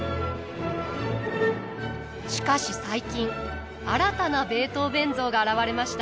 しかし最近新たなベートーヴェン像が現れました。